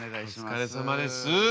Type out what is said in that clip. お疲れさまです。